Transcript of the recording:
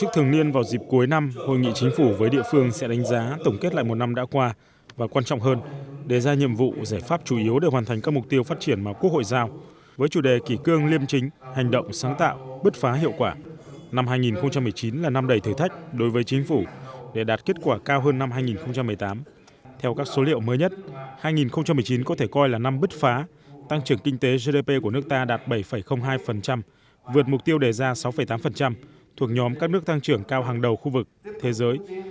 tăng trưởng kinh tế gdp của nước ta đạt bảy hai vượt mục tiêu đề ra sáu tám thuộc nhóm các nước tăng trưởng cao hàng đầu khu vực thế giới